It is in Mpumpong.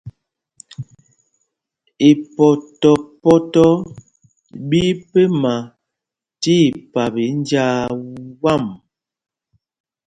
Ipoto ɓí pɛna tí ipap í njāā wām.